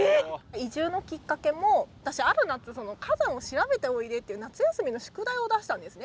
移住のきっかけも私ある夏火山を調べておいでっていう夏休みの宿題を出したんですね